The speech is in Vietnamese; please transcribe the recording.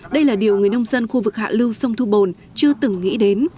đây là điều người nông dân khu vực hạ lưu sông thu bồn chưa từng nghĩ đến